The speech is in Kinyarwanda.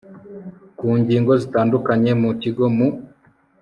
ku ngingo zitandukanye mu kigo. mu